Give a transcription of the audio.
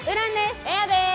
エアです。